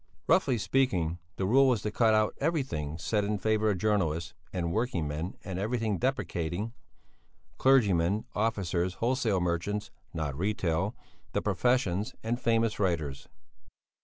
Roughly speaking, the rule was to cut out everything said in favour of journalists and working men and everything depreciating clergymen, officers, wholesale merchants (not retail), the professions, and famous writers.